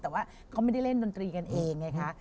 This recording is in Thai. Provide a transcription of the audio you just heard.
แต่ว่าเขาไม่ได้เล่นดนตรีกันเองไงคะ